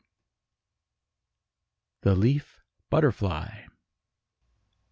] THE LEAF BUTTERFLY.